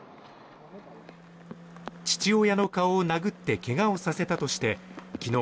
父親の顔を殴ってけがをさせたとしてきのう